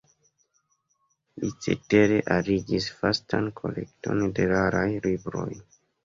Li cetere arigis vastan kolekton de raraj libroj.